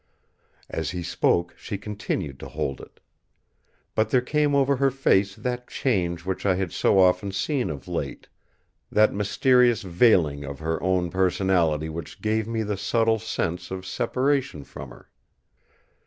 As he spoke she continued to hold it. But there came over her face that change which I had so often seen of late; that mysterious veiling of her own personality which gave me the subtle sense of separation from her.